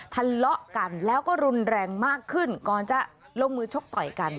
ทะเลาะกันแล้วก็รุนแรงมากขึ้นก่อนจะลงมือชกต่อยกัน